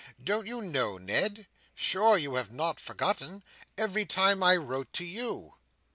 "Don't you know, Ned? Sure you have not forgotten? Every time I wrote to you."